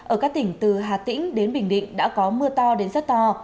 ở các tỉnh từ hà tĩnh đến bình định đã có mưa to đến rất to